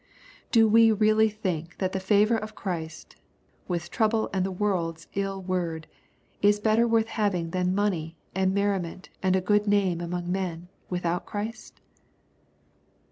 Do we really think that the favor of Christ, with trouble and the world's ill word, is better worth having than money, and merri ment^ and a good name among men, without Christ